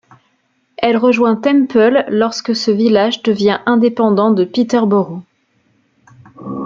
Elle rejoint Temple lorsque ce village devient indépendant de Peterborough.